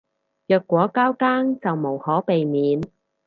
若果交更就無可避免